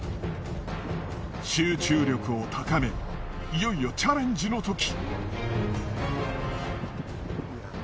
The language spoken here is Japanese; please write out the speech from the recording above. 集中力を高めいよいよチャレンジのとき。